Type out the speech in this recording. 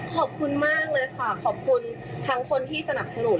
ขอบคุณมากเลยค่ะขอบคุณทั้งคนที่สนับสนุน